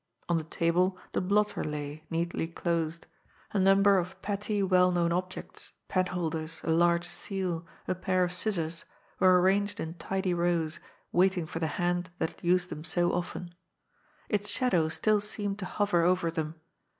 On the table the blotter lay, neatly closed ; a number of petty, HENDRIK'S TEMPTATION. 133 well known objects, penholders, a large seal, a pair of scis sors, were arranged in tidy rows, waiting for the hand that had used them so often. Its shadow still seemed to hover over them.